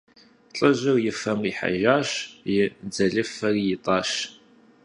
Лӏыжьым и фэр къихьэжащ, и дзэлыфэр итӀащ.